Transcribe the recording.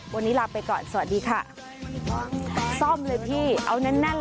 วันนี้ลาไปก่อนสวัสดีค่ะ